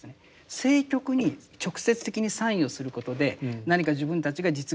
政局に直接的に参与することで何か自分たちが実現